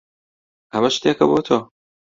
ئەمە شتێکە بۆ تۆ.